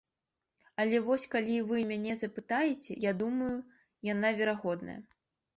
Але вось калі вы мяне запытаеце, я думаю, яна верагодная.